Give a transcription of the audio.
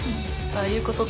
ああいうことって？